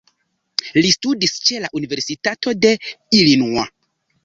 Li studis ĉe la Universitato de Illinois.